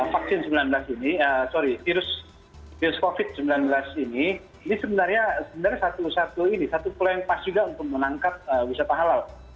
vaksin sembilan belas ini sorry virus covid sembilan belas ini ini sebenarnya satu satu ini satu pola yang pas juga untuk menangkap wisata halal